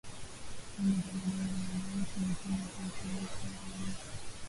Vyombo vya habari kwa Wananchi ni Vyombo vya utumishi wa umma